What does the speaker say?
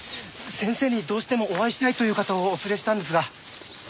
先生にどうしてもお会いしたいという方をお連れしたんですが。